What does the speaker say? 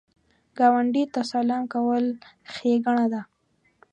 ګاونډي ته سلام کول ښېګڼه ده